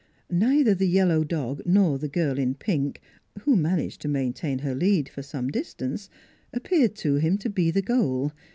Neither the yellow dog nor the girl in pink who managed to maintain her lead for some distance appeared to him to be the goal.